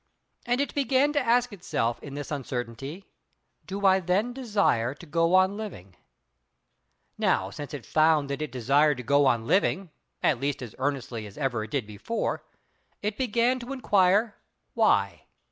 And it began to ask itself in this uncertainty: Do I then desire to go on living? Now, since it found that it desired to go on living at least as earnestly as ever it did before, it began to inquire why.